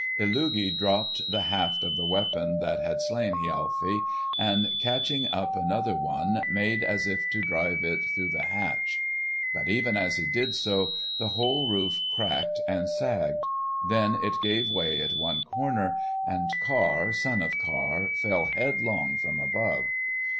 Illugi dropped the haft of the weapon that had slain Hialfi, and catching up another one, made as if to drive it through the hatch. But even as he did so the whole roof cracked and sagged; then it gave way at one corner, and Karr, son of Karr, fell headlong from above.